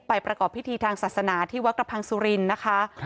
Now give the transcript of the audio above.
ประกอบพิธีทางศาสนาที่วัดกระพังสุรินทร์นะคะ